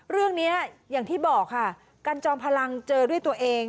เรื่องนี้อย่างที่บอกค่ะกันจอมพลังเจอด้วยตัวเอง